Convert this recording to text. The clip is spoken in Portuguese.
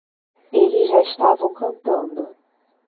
Eles já estavam cantando.